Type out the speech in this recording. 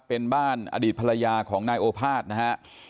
เป็นบ้านอดีตภรรยาของนายโอภาษนะฮะ